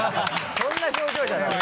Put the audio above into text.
そんな表情じゃない。